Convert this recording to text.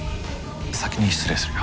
先に失礼するよ。